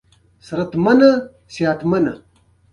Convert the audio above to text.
ایا ستاسو حمام به پاک نه وي؟